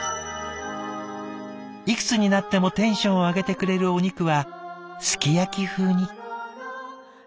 「いくつになってもテンションを上げてくれるお肉はすき焼き風に。